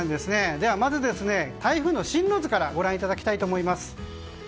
ではまず、台風の進路図からご覧いただきたいと思います。